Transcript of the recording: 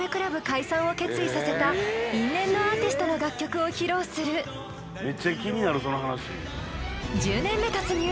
ＣＬＵＢ解散を決意させた因縁のアーティストの楽曲を披露する１０年目突入！